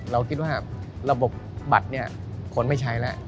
เราคิดว่าระบบบัตรเนี่ยคนไม่ใช้แล้ว